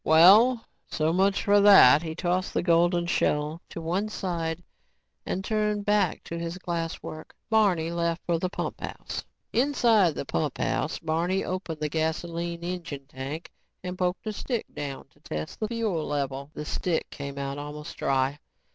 "Well, so much for that." He tossed the golden shell to one side and turned back to his glass work. Barney left for the pumphouse. Inside the pumphouse, Barney opened the gasoline engine tank and poked a stick down to test the fuel level. The stick came out almost dry.